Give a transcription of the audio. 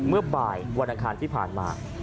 เมื่อบ่ายวันอังคารที่ผ่านมา